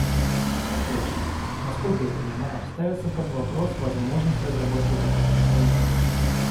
Опять же, насколько я пониманию, ставится под вопрос возможность разработки такого механизма.